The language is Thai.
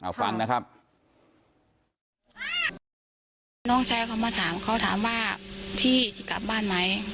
ว่าพี่จะกลับบ้านไหม